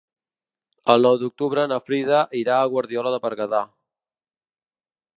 El nou d'octubre na Frida irà a Guardiola de Berguedà.